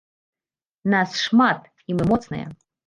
Нас шмат, і мы моцныя.